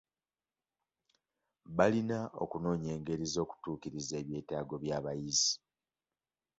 Balina okunoonya engeri z'okutuukiriza ebyetaago by'abayizi.